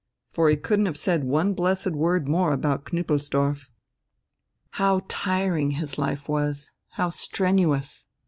For he couldn't have said one blessed word more about Knüppelsdorf! How tiring his life was, how strenuous!